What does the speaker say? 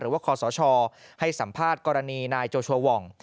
หรือว่าคศให้สัมภาษณ์กรณีนายโจชัวร์ว่อง